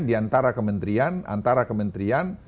di antara kementerian